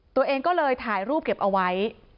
ตัวเองก็เลยถ่ายรูปเก็บเอาไว้